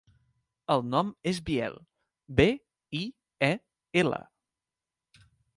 El nom és Biel: be, i, e, ela.